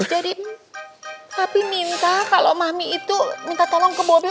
jadi papi minta kalo mami itu minta tolong ke bobi